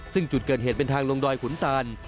ซึ่งจุดเกิดเหตุเป็นทางลงดอยขุนตาน